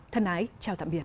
thân ái chào tạm biệt